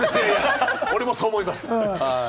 俺もそう思います。